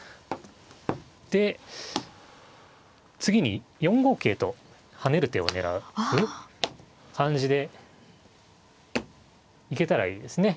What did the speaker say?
で次に４五桂と跳ねる手を狙う感じで行けたらいいですね。